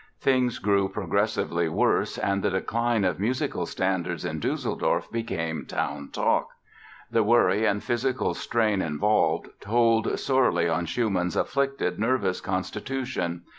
Things grew progressively worse and the decline of musical standards in Düsseldorf became town talk. The worry and physical strain involved told sorely in Schumann's afflicted nervous constitution.